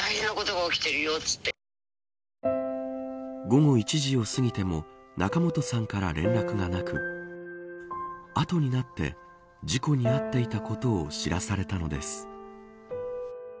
午後１時を過ぎても仲本さんから連絡がなく後になって事故に遭っていたことを知らされたのです。